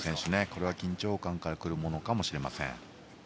これは緊張感から来るものかもしれません。